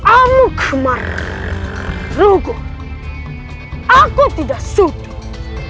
amu kemarugun aku tidak sudut